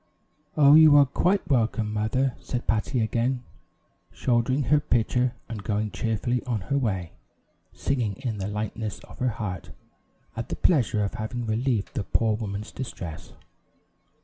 "Oh, you are quite welcome, mother," said Patty again, shouldering her pitcher, and going cheerfully on her way, singing in the lightness of her heart, at the pleasure of having relieved the poor woman's distress.